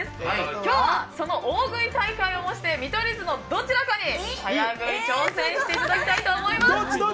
今日はその大喰い大会を催して見取り図のどちらかに挑戦してもらいたいと思います。